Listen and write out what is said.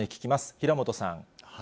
平本さん。